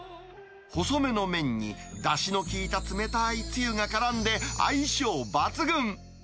細めの麺にだしの効いた冷たいつゆがからんで、相性抜群。